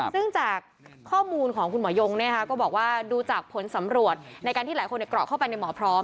ซึ่งจากข้อมูลของคุณหมอยงก็บอกว่าดูจากผลสำรวจในการที่หลายคนเกราะเข้าไปในหมอพร้อม